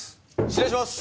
失礼します！